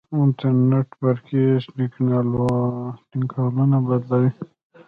انټرنیټ برقي سیګنالونه بدلوي.